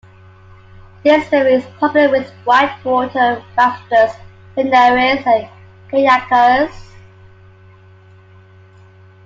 This river is popular with whitewater rafters, canoeists, and kayakers.